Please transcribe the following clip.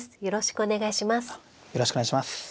よろしくお願いします。